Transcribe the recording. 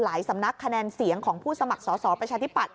สำนักคะแนนเสียงของผู้สมัครสอสอประชาธิปัตย